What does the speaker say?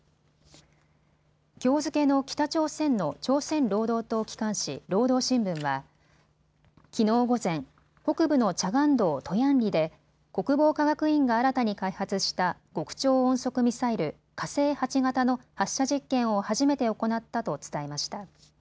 きょう付けの北朝鮮の朝鮮労働党機関紙、労働新聞はきのう午前、北部のチャガン道トヤンリで国防科学院が新たに開発した極超音速ミサイル火星８型の発射実験を初めて行ったと伝えました。